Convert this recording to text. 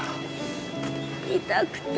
痛くて。